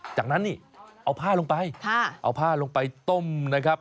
จากนั้นนี่เอาผ้าลงไปเอาผ้าลงไปต้มนะครับ